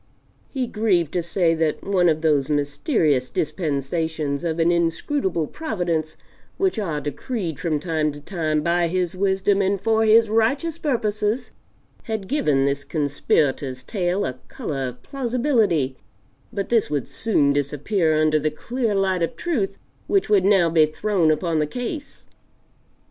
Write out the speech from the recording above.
He grieved to say that one of those mysterious dispensations of an inscrutable Providence which are decreed from time to time by His wisdom and for His righteous, purposes, had given this conspirator's tale a color of plausibility, but this would soon disappear under the clear light of truth which would now be thrown upon the case.